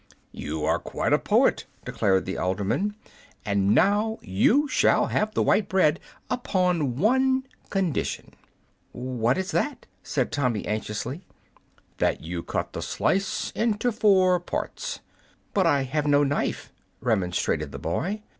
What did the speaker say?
"You are quite a poet," declared the alderman; "and now you shall have the white bread upon one condition." "What is it?" said Tommy, anxiously. "That you cut the slice into four parts." "But I have no knife!" remonstrated the boy.